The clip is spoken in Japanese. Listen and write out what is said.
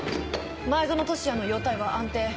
前薗俊哉の容体は安定。